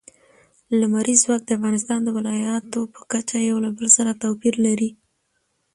لمریز ځواک د افغانستان د ولایاتو په کچه یو له بل سره توپیر لري.